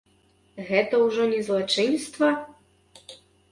Гэта ўжо не злачынства?